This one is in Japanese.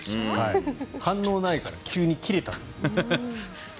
反応ないから急にキレた。